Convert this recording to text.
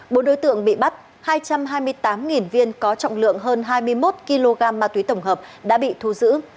bộ đối tượng bị bắt hai trăm hai mươi tám viên có trọng lượng hơn hai mươi một kg ma túy tổng hợp đã bị thu giữ